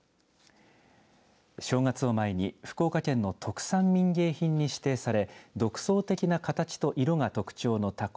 正月を前に福岡県の特産民芸品に指定され独創的な形と色が特徴のたこ